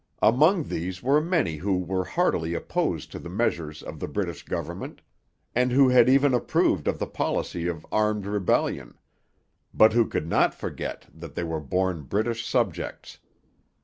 Among these were many who were heartily opposed to the measures of the British government, and who had even approved of the policy of armed rebellion. but who could not forget that they were born British subjects.